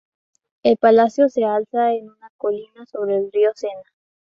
El palacio se alza en una colina sobre el río Sena.